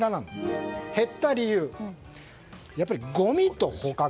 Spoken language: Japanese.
減った理由やっぱりごみと捕獲。